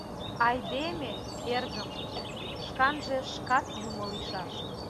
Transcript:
Айдеме... эргым... шканже шкат юмо лийшаш.